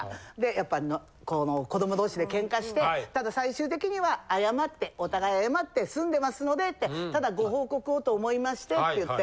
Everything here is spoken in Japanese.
やっぱ「子ども同士でケンカしてただ最終的には謝ってお互い謝って済んでますので」って「ただご報告をと思いまして」って言って。